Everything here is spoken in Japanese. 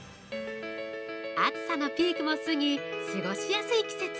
暑さのピークも過ぎ過ごしやすい季節。